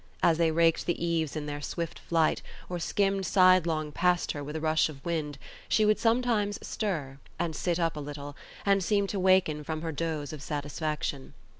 As they raked the eaves in their swift flight, or skimmed sidelong past her with a rush of wind, she would sometimes stir, and sit a little up, and seem to awaken from her doze of satisfaction.